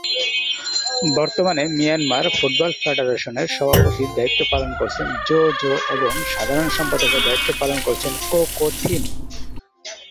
বর্তমানে Myanmar football ফেডারেশনের সভাপতির দায়িত্ব পালন করছেন জো জো এবং সাধারণ সম্পাদকের দায়িত্ব পালন করছেন কো কো থিন।